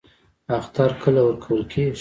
اخطار کله ورکول کیږي؟